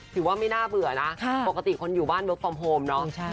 ถือว่าไม่น่าเบื่อนะปกติคนอยู่บ้านเวิร์คฟอร์มโฮมเนาะ